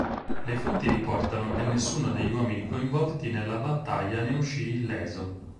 Le fonti riportano che nessuno degli uomini coinvolti nella battaglia ne uscì illeso.